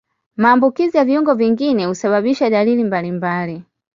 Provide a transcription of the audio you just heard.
Maambukizi ya viungo vingine husababisha dalili mbalimbali.